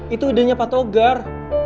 itu idenya pak togar